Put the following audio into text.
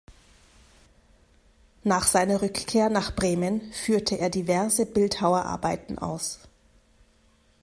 Nach seiner Rückkehr nach Bremen führte er diverse Bildhauerarbeiten aus.